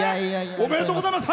おめでとうございます。